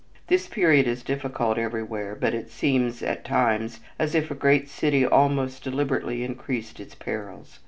This period is difficult everywhere, but it seems at times as if a great city almost deliberately increased its perils.